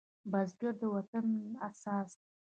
بزګر د وطن اساس دی